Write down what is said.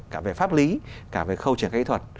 cả về pháp lý cả về khâu truyền kỹ thuật